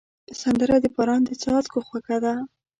سندره د باران د څاڅکو خوږه ده